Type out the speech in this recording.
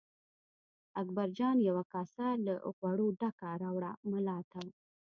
اکبرجان یوه کاسه له غوړو ډکه راوړه ملا ته.